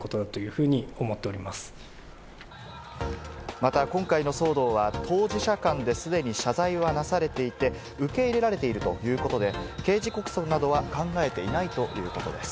また、今回の騒動は当事者間で既に謝罪はなされていて、受け入れられているということで、刑事告訴などは考えていないということです。